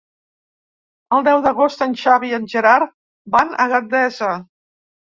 El deu d'agost en Xavi i en Gerard van a Gandesa.